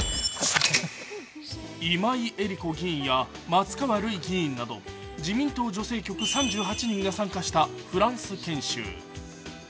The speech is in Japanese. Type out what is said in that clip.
今井絵理子議員や松川るい議員など自民党女性局３８人が参加したフランス研修。